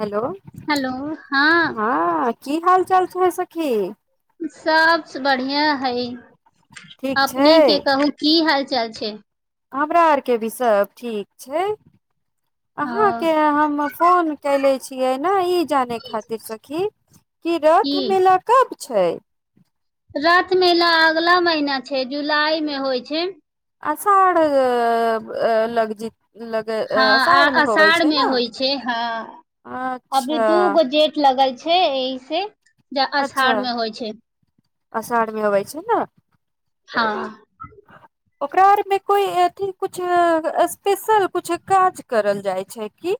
Hello hello हँ हँ की हाल चाल छै सखी सबसँ बढ़िया है ठीक छै अपने के कहू की हाल चल छै हमरा आरके भी सभ ठीक छै ओ अहाँके हम फोन कले छी छियै ने ई जाने खातिर सखी क की रथ मेल कब छै रत मेला अगला महिीना छै जुलाई मे होइ छै अ आ लगजीत हँ अषाढ़ मे ने होइ छै हँ अभ अच्छा दू गो जेठ लगल छै छै ई से जे अषाढ़ मे होइ छै अषाढ़मे होबै छै ने हँ ओकरा आरमे कोइ अथिी कुछु स्पेशल कुछु काज करल जाइ छै कि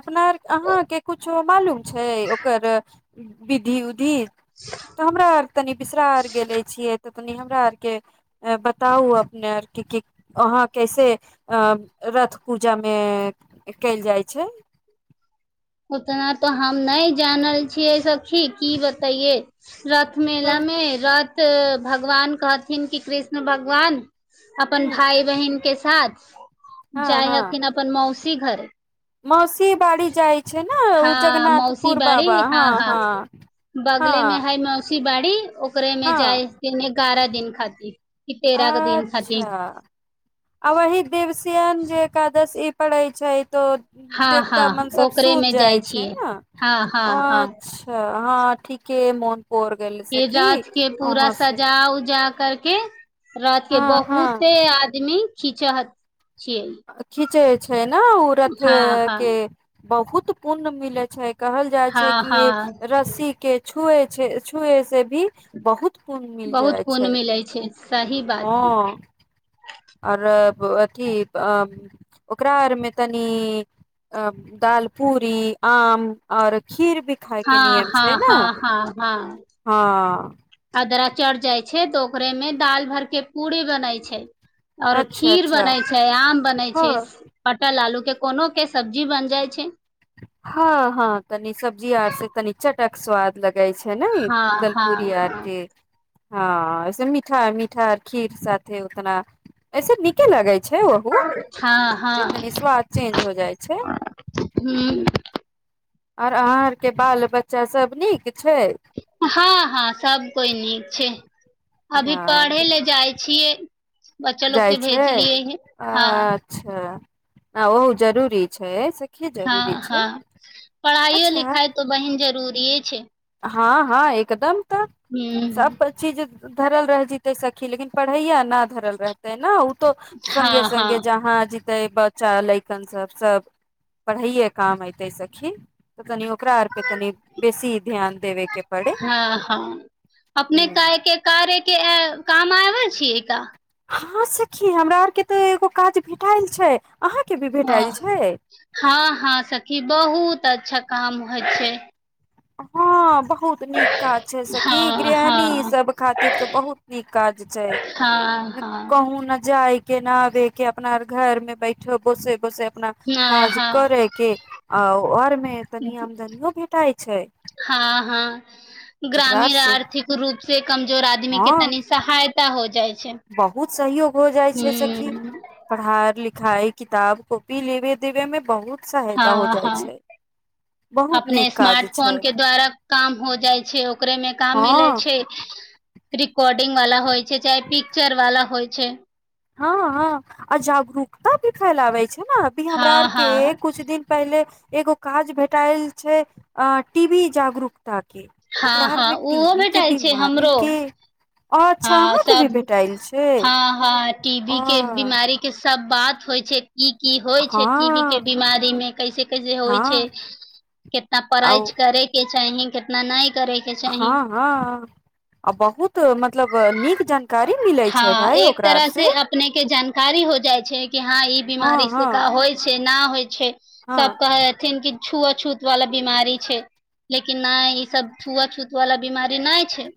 अपना अहाँ के कुछ मालूम छै ओकर विधि उधि तऽ हमरा बिसरा आर ग गेल छियै त तनि हमरा आरके बताउ अपने आरके अहाँ कैसे रथ पूजामे कयल जाइ छै उतना तऽ हम नहि जानल छियै सखी की बतैे रथ ह मेलामे रथ तऽ भगवान कहथिन कि कृष्ण भगवान अपन भाय बहिन के साथ जा हँ हँ ह की ने अपन मौसी सि घर मौसी बाड़ी जाइ छै ने ओ हँ मौसी जगनाथपुर बाबा बाड़ी हँ हँ हँ शिवड़ी ओकरेमे हँ जाइ न बारह दिन खातिर कि तेरह गो दिन अच्छा खातिर आ वही देवस सियान जे एकादश ई पढ़े छै तऽ हँ देवता हँ मन सब ओकरे सुत मे जाइ छै छियै ने हँ हँ हँ अच्छा ह ठीके मन के रात के पूरा सजा उजा कर क राजात के हँ हँ बहुते आदमी खिचहत खीचे छै ने ओ रथ हँ हँ के बहुत पुर्ण मिलै छै कहल जाय छै हँ कि हँ रस्सी के छुए छै छुए से भी बहुत पुण्य मिल बहुत जाइ छै पुण्य मिलै छै सही बात है हँ आओर अथ ओकरा आर मे तनी दाल पूरी आम आओर खीर भी हँ खायके नियम हँ छै ने हँ हँ हँ हँ अदराक चढ़ जाइ छै तऽ ओकरे में दालि भर के पूरी बनै छै आओर अच्छा खीर अच्छा बनै छै आम बनै छै हँ पटल आलू के कोनो के सब्जी बन जाइ छै हँ हँ तनी सब्जी आर से तनी चट क स्वाद लगै गय छै ने हँ हँ गलपूी आर के हँऐस मीठा मीठा खीर साथे उतना ऐसे नीके लगै छै छै ओह हँ जे हँ तनी स्वाद चेंज हो जाइ छै ह आर अहाँ आर के बाल बच्चा सब नीक छै हँ हँ सब कोइ नीक छै अभी पढ़ै हँ लए जाइ छियै बच्चा लोग जाइ के छै भेजलियै हे हँ अच्छा ह ओहु जरूरी छै सखी जरूरी हँ छै हँ पढ़ाइो अच्छा लिखाइ त बहिन जररीए छै हँ हँ एकदम तऽ ह सब चीज धरल रह जतै सखी लेकिन पढ़ैया न धरल रहते ने त सगे हँ सगे हँ जहाँ ज बच्चा लैकन सब सब पढ़ैए काम एते सखिन तऽ तनि ओकरा आर पे तनि बेसी ध्यान देबे के पड़े हँ हँ अपने ह काहे के कार्य के आएल काम आबे छियै क हँ सखी हमरा आर के तऽ एगो काज भेटाएल छै अहाँ के भी ओ भेटायल छै हँ हँ सखी बहुत अच्छा काम होय छै हँ बहुत बहुत नीक काज छै सखी हँ गृहणी ई हँ सब खातिर त बहुत नीक काज छै हँ हँ कहूं ने जाय केनाबे के अपना घर में बैठो कुछे कुछे अपना काज हँ करे के आ आर मे हँ तनी आमदनियो भेटाइ छै हँ हँ जेकरा ग्रामीण से आर्थिक रूप से कमजोर आदमी आदमी के हँ तनि सहायता हो जाइ छै बहुत सहयोग हो जाइ हूँ छै सखी पढ़ाइ लिखाइ किताब कॉपी लेबे देवे में बहुत सहायता हो हँ जाइ हँ छै बहुत अपने नीक काज स्मार्ट फोन छै के द्वारा काम हो जाइ छै ओकरे मे काम हँ मिलै छै रिकॉर्डिंग वाला होइ छै चाहे पिक्चर वाला होइ छै हँ हँ आजगरूकता फैलाबै छै ह न अभी हमरा हँ आरके हँ कुछ दिन पहिले एगो काज भेटएल छै अ टी बी जागरूकता के ओकरा हँ हँ हमे टी ओहो बी के भेटाइ छै बीमारी हमरो के अच्छा हँ अहाँके भी भेटायल छै टी अ बी के हँ बीमारीके सब बात होइ छै क की होइ छै टी बी के हँ बिीमारी मे कैसे कैसे होइ आ छै कितना पढ़े करे के चाही कितना नहि करे के चाही हँ हँ आ बहुत म हँ भाय एक ओकरा आर तरह से अपने के जानकारी हो जाइ छै कि हँ ई हँ बीमारी से हँ होइ छै ना होइ छै हँ सब कहैथिन कि छुआछूत वाला बीमारी छै लेकिन नहि ई सब छुआछूत वाला बीमारी देनाइ छै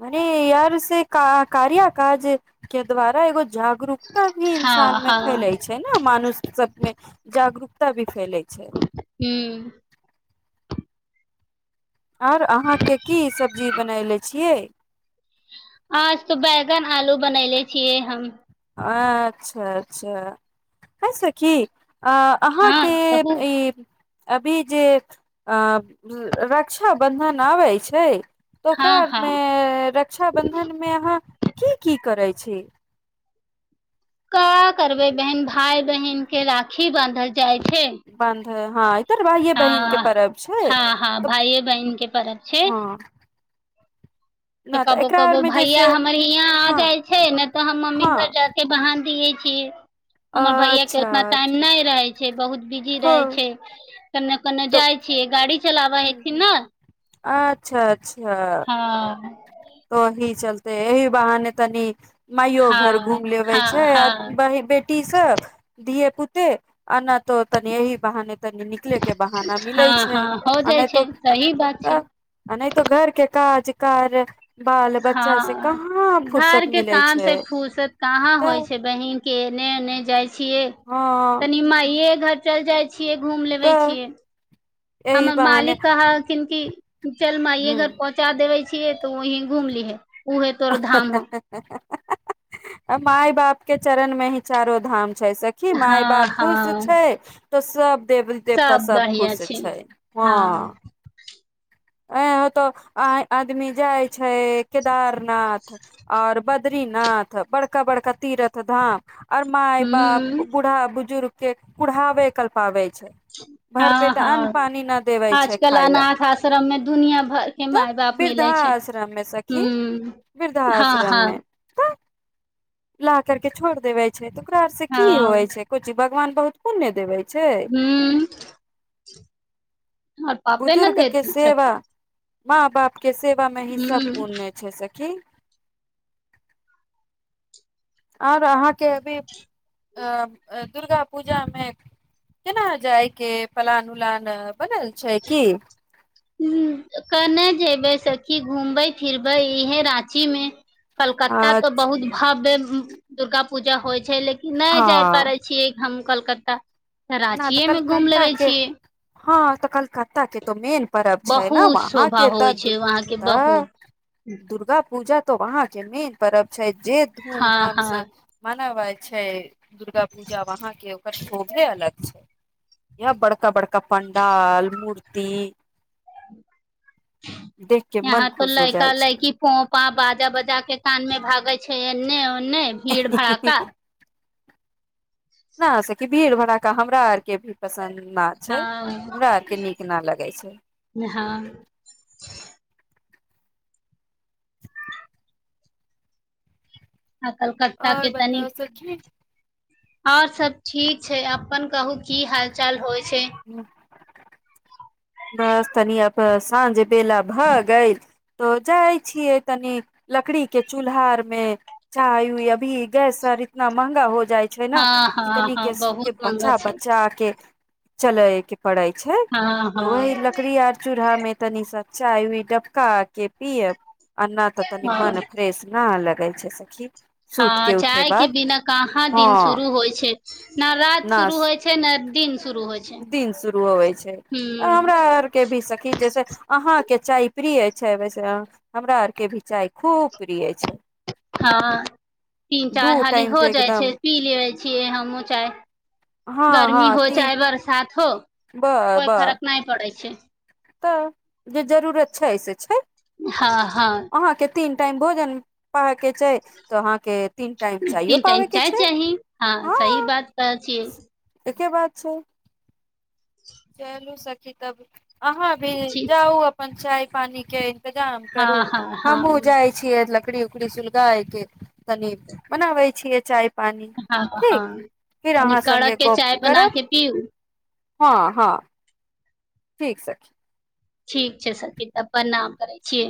मने यार से कार्य काज के द्वारा एगो जागरूकता भी इंसान हँ मे हँ फैले छै ने मानुष्य सब मे जागरूकता भी फैलै छै हूँ आर अहाँके की सब्जी बनयनेे छियै अज तऽ बैगन आलू बनले छियै हम अच्छा अच्छा खइस की अ हँ अहाँके कहू ई अभी जे अ रक्षा बंधन आबै छै तऽ हँ हँ ओकरामे रक्षाबन्धनमे अहाँ की की करै छी क करबै बहन भाय बहिन के राखी बानधल जाइ छै बान्ध हँ उत्तर भाइे बहिनक के हँ परर्ब छै हँ हँ त भाइये बहिन के परब छै हँ तऽ नहि कबो एकरा कबौ आरमे भैया जैसे हमर यहा आ हँ जाय छै ने तऽ हम मम्मी हँ घर जा के बान्हि दिये की हमर भैया के अच्छा ओतना टाइम अच्छा नहि रहै छै बहुत बिजी रहै हँ छै तने कने तऽ जाइ छियै गाड़ी चलाबा हेथिन न अच्छाा हँ तही चलते यही बहने तनी माइो घर हँ घुम लेवे हँ हँ छै बेटी सब धिय पुता अना तऽ तनि ही बहने तनी निकले के बहाना मिले हँ छै हँ हो आ जाइ नहि तो छै सही बात छै नहि तो घर के काज कार्य हँ घर के मिलै काम से छै फुर्सत कहाँ होइ तऽ छै बहिन के एने ओने जाइ छियै हँ तनी माये घर चल जाए छियै घूम लेबै तऽ छियै एहि हमर बहाने मालिक कह किन ई चल मइये घर पहुँचा देबै छिये त बहि घूम लिहे ओहे तोर धाम ह हउ माय बाप के चरण मे ही चारो धाम छै सखी माय हँ बाप खुश हँ छै त सब देवी देवता सब खुश छै हँ ए होतौ आ आदमी जाइ छै केदारनाथ आओर बद्रीनाथ बड़का बड़का तीर्थ धाम आओर माय हूँ बाप बूढ़ा बुजुर्ग के कुढ़बै कल्पाबै हँ हँ न देवे छै आजकल खाय ला अनाथ आश्रममे दुनिया भर के तऽ माय बाप मिलै छै वृद्धाश्रम मे हू सखी हँ हँ वृद्धाश्रम मे तऽ ला करके छोड़ देबै छै तो ओकरा अर से की होबै हँ छै भगान बहुत पुण्य देबै हूँ हमर पापे ने बुजुर्ग के देथिन सेवा माँ बाप के सेवा मे ही सब छथिन पूर्ण्य छै सखी आओर अहाँके अभी अ दुर्गा पूजा मे केना जाय के पलान उलान बनल छै की हू कने जेबै सखी घूमबै फिरबै इहे राँची मे कलकत्ता आ तऽ बहुत भव्य दुर्गा पूजा होइ छै लेकिन नहि हँ जाइ पड़ै छियै हम कलकत्ता तऽ न तऽ राचियेमे घूम कलकत्ता लेबै के छियै हँ तऽ कलकत्ता के तऽ मेन परब छै ने बहुत वहाँ शोभा के तऽ होइ छै वहां के तऽ बहुत दुर्गा पूजा त वहाँ के मेन परब छै जे धूम हँ धाम हँ से मनवइ छै दुर्गा पूजा वहां के ओकर शोभे अलग य बड़का बड़का क पण्डाल मूर्ति ती मन यहां तो खुश हो लइका जाइ छै लइकी पोपा बाजा बाजा के कान में भागे छै एने ओन्ने नहि भीड़ भड़ का न से कि भीड़ भड़ाका हमरा आर के भी पसन्द ना छै हँ हमरा आरके नीक ना लगै छै हँ आ कलकत्ता के आओर तनी सखी आओर सब ठीक छै अपन कहू की हालचाल होइ छै बस तनिए साँझ बेला भऽ ग‌इल तऽ जाइ छियै तनी लकड़ी के चूल्हा आर में चाय उ अभी गैस आर इतना महंगा हो जाइ छै ने हँ कि हँ तनी हँ गैस के बहुत महंगा बचा छै बचा के चलै के पड़ै छै हँ त वही हँ लकड़ी आर चूलहा मे तनी चाय भी डबका के पीअब अ ना त तनी हँ मन फरेस ना लगता कह छै सखी सुत हँ के उठे चाय के बाद बिना कहाँ दिन हँ शुरू होइ छै ने रात शुरू न होइ छै ने दिन शुरू होइ छै दिन शुरू होवे छै ह हमरा आर के भी सखी जैसे अहाँ के चाय प्रिय छै वैसे हमरा आर के भी चाय खूब प्रिय छै हँ तीन दू चार हाली टाइम हो तऽ जाइ छै एकदम पी लेै छियै हमहुूँ चाह हँ गर्मी हँ हो तीन चाहे बरसात हो ब कोइ ब फरक नहि पड़ै छै। तऽ जे जरूरत छै से छै हँ हँ अहाँके तीन टाइम भोजन ्पा हो के छै तऽ अहाँके तीन टाइम चायो तीन टाइम पाबे के चाय छै चाही हँ सही बात कह छियै एकके बात छै चलू सखी तब अहाँ भी जाउ अपन चाय पानि के इतजाम हँ करू हँ हमहुँ हँ जाइ छीियै लकड़ी पड़ीसलगााय के तनि बनाबे छियै चाय पानी ह ठीक फिर हँ अहाँ संगे कड़क के गप चाय बना करब के पीउ हँ हँ ठीक छै ठीक छै सकी तब प्रणाम करै छियै